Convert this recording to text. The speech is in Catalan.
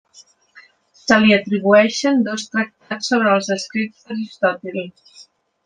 Se li atribueixen dos tractats sobre els escrits d'Aristòtil.